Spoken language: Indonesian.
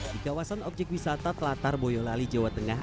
di kawasan objek wisata telatar boyolali jawa tengah